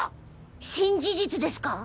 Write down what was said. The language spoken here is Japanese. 新事実ですか？